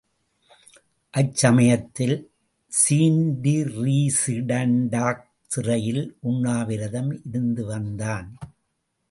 அச்சமயத்தில் ஸீன்டிரீஸிடண்டாக் சிறையில் உண்ணாவிரதம் இருந்துவந்தான்.